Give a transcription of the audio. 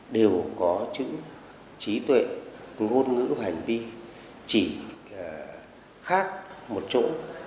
đều có chữ trí tuệ ngôn ngữ hoành vi chỉ khác một chỗ